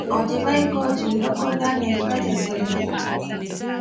Olduvai Gorge lililoko ndani ya hifadhi ya Serengeti